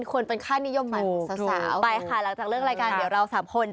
ควรเป็นค่านิยมมันสาว